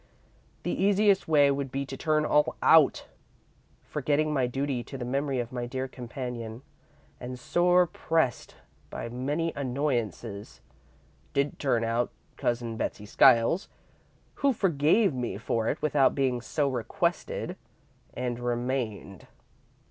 "The easiest way would be to turn all out. Forgetting my duty to the memory of my dear companion, and sore pressed by many annoyances, did turn out Cousin Betsey Skiles, who forgave me for it without being so requested, and remained.